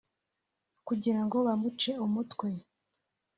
kugira ngo bamuce umutwe